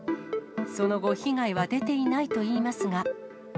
その後、被害は出ていないといいますが。